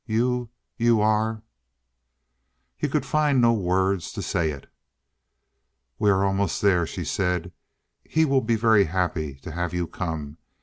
You you are " He could find no words to say it. "We are almost there," she said. "He will be very happy to have you come.